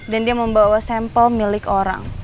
dan dia membawa sampel milik orang